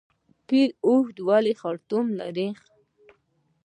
پیل ولې اوږد خرطوم لري؟